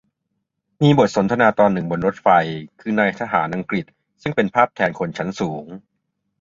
มีบทสนทนาตอนหนึ่งบนรถไฟ คือนายทหารอังกฤษ ซึ่งเป็นภาพแทนคนชั้นสูง